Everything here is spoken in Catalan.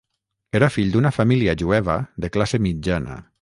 Era fill d'una família jueva de classe mitjana.